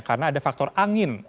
karena ada faktor angin